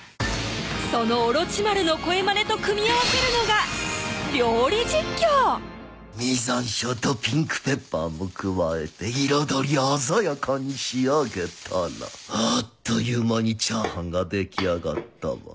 その大蛇丸の声マネと組み合わせるのが料理実況「実ざんしょうとピンクペッパーも加えて彩り鮮やかに仕上げたらあっという間にチャーハンができあがったわ」